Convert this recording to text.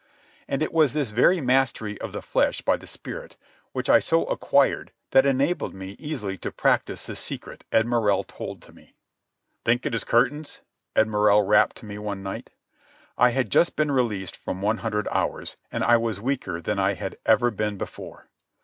And it was this very mastery of the flesh by the spirit which I so acquired that enabled me easily to practise the secret Ed Morrell told to me. "Think it is curtains?" Ed Morrell rapped to me one night. I had just been released from one hundred hours, and I was weaker than I had ever been before.